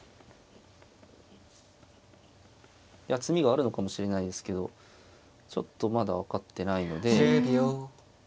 詰みがあるのかもしれないですけどちょっとまだ分かってないので。